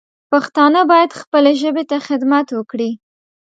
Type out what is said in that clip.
پښتانه باید خپلې ژبې ته خدمت وکړي